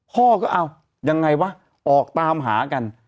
พ่อก็เอายังไงวะออกตามหากัน